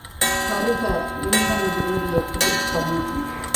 வருக விந்தன் விரும்பிய புதுச்சமூகம்!